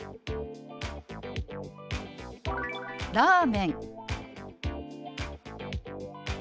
「ラーメン」。